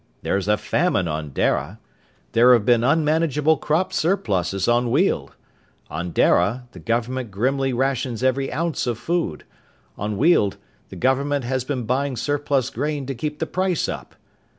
There's a famine on Dara. There've been unmanageable crop surpluses on Weald. On Dara, the government grimly rations every ounce of food. On Weald, the government has been buying surplus grain to keep the price up.